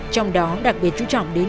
trong đó đặc biệt trú trọng đến